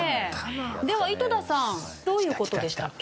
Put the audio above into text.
では井戸田さんどういう事でしたっけ？